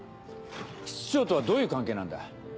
室長とはどういう関係なんだ？